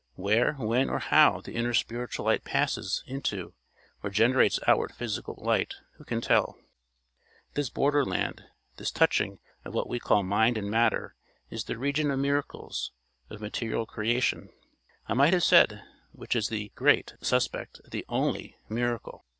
Where, when, or how the inner spiritual light passes into or generates outward physical light, who can tell? This border land, this touching of what we call mind and matter, is the region of miracles of material creation, I might have said, which is the great suspect, the only miracle.